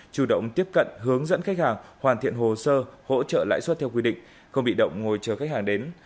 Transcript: chủ động tiếp cận hướng dẫn khách hàng hoàn thiện hồ sơ hỗ trợ lãi suất theo quy định không bị động ngồi chờ khách hàng đến